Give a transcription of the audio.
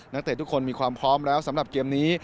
เตะทุกคนมีความพร้อมแล้วสำหรับเกมนี้